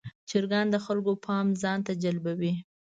چرګان د خلکو پام ځان ته جلبوي.